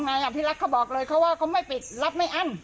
อภิรักษ์เขาบอกเลยเขาว่าเขาไม่ปิดรับไม่อั้น